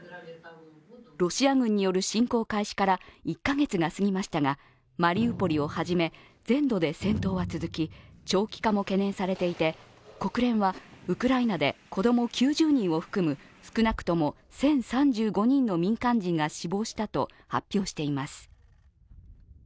ロシア軍による侵攻開始から１カ月が過ぎましたがマリウポリをはじめ全土で戦闘は続き長期化も懸念されていて、国連はウクライナで子供９０人を含む、少なくとも１０３５人の民間人が死亡したと発表しています。